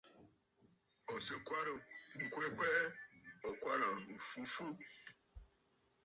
Ò sɨ̀ kwarə̀ ŋ̀kwɛɛ kwɛɛ, ò kwarə̀ m̀fu fu?